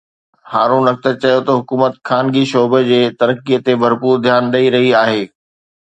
هارون اختر چيو ته حڪومت خانگي شعبي جي ترقي تي ڀرپور ڌيان ڏئي رهي آهي